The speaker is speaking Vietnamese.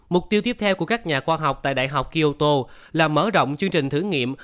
mục tiêu tiếp theo của các nhà khoa học tại đại học kioto là mở rộng chương trình thử nghiệm